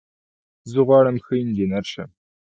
زه غواړم ښه انجنیر شم.